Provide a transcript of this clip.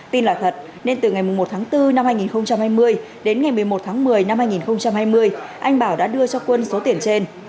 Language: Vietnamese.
tin là thật nên từ ngày một tháng bốn năm hai nghìn hai mươi đến ngày một mươi một tháng một mươi năm hai nghìn hai mươi anh bảo đã đưa cho quân số tiền trên